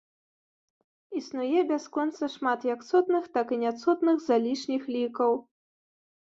Існуе бясконца шмат як цотных, так і няцотных залішніх лікаў.